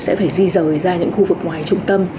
sẽ phải di rời ra những khu vực ngoài trung tâm